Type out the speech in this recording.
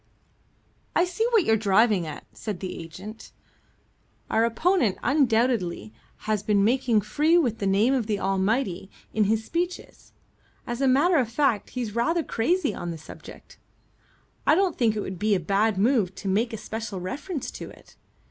"I see what you're driving at," said the agent. "Our opponent undoubtedly has been making free with the name of the Almighty in his speeches. As a matter of fact he's rather crazy on the subject. I don't think it would be a bad move to make a special reference to it.